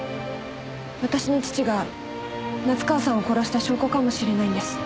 私の父が夏河さんを殺した証拠かもしれないんです。